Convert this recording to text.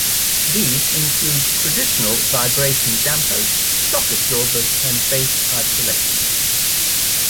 These include traditional vibration dampers, shock absorbers, and base isolation.